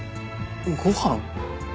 ご飯？